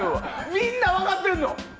みんな分かってるの？